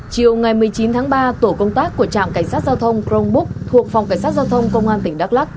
chiều ngày một mươi chín tháng ba tổ công tác của trạm cảnh sát giao thông crong búc thuộc phòng cảnh sát giao thông công an tỉnh đắk lắc